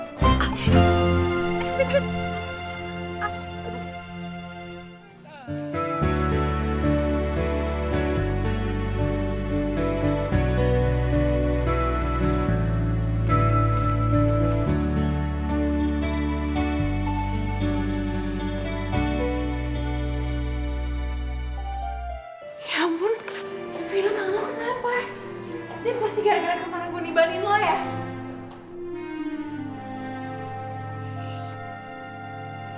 ini pasti gara gara kemarin gua nibahin lu ya